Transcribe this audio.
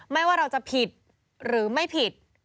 ว่าเราจะผิดหรือไม่ผิด